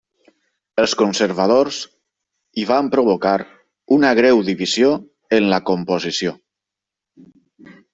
Els conservadors hi van provocar una greu divisió en la composició.